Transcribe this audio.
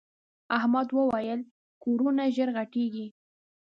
احمد وويل: کورونه ژر غټېږي.